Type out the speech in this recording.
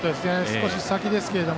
少し先ですけど。